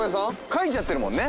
書いちゃってるもんね